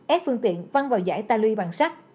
ad phương tiện văng vào giải taluy bằng sắt